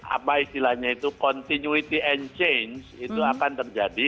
apa istilahnya itu continuity and change itu akan terjadi